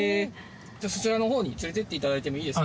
じゃあそちらのほうに連れていっていただいてもいいですか？